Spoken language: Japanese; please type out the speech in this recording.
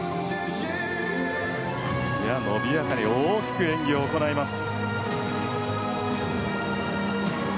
のびやかに大きく演技を行います。